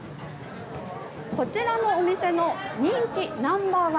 こちらのお店の人気ナンバー１